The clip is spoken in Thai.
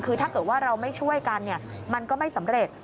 คือถ้าเกิดว่าเราไม่ช่วยกันมันก็ไม่สำเร็จ